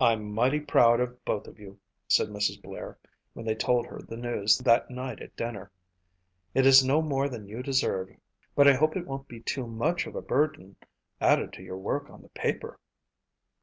"I'm mighty proud of both of you," said Mrs. Blair when they told her the news that night at dinner. "It is no more than you deserve but I hope it won't be too much of a burden added to your work on the paper."